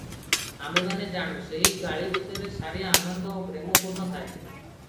ଆମ୍ଭେମାନେ ଜାଣୁ, ସେହି ଗାଳି ଭିତରେ ସାରିଆ ଆନନ୍ଦ ଓ ପ୍ରେମ ପୂର୍ଣ୍ଣ ଥାଏ ।